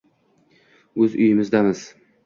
O‘z uyimizdamiz”